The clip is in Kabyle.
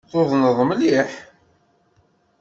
Tudneḍ mliḥ.